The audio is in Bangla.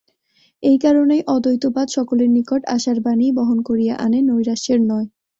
এই কারণেই অদ্বৈতবাদ সকলের নিকট আশার বাণীই বহন করিয়া আনে, নৈরাশ্যের নয়।